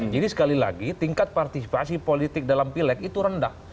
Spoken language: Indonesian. jadi sekali lagi tingkat partisipasi politik dalam pileg itu rendah